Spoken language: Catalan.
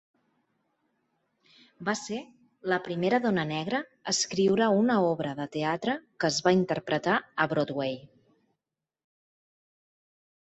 Va ser la primera dona negra a escriure una obra de teatre que es va interpretar a Broadway.